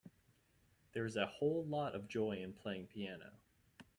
There is a whole lot of joy in playing piano.